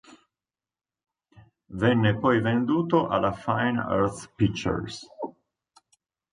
Venne poi venduto alla Fine Arts Pictures.